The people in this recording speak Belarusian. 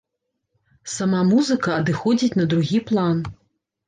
Сама музыка адыходзіць на другі план.